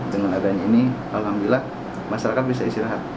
dengan adanya ini alhamdulillah masyarakat bisa istirahat